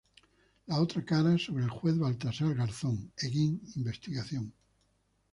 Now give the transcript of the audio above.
La otra cara", sobre el juez Baltasar Garzón; "Egin Investigación.